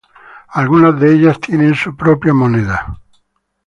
Algunas de ellas tienen su propia moneda.